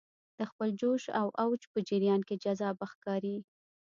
د خپل جوش او اوج په جریان کې جذابه ښکاري.